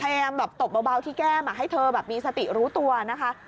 พยายามแบบตบเบาที่แก้มให้เธอแบบมีสติรู้ตัวนะคะ